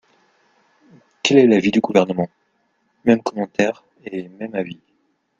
Quel est l’avis du Gouvernement ? Mêmes commentaires et même avis.